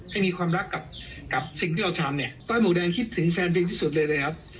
ให้มีความรักกับสิ่งที่เราทำเนี่ยต้อยหมูแดงคิดถึงแฟนเพลงที่สุดเลยนะครับ